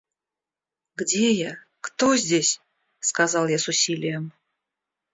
«Где я? кто здесь?» – сказал я с усилием.